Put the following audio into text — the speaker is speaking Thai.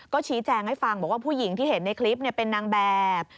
ก็ชี้แจงให้ฟังบอกว่าผู้หญิงที่เห็นในคลิปเป็นนางแบบ